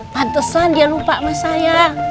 pantesan dia lupa sama saya